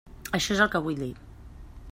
Això és el que vull dir.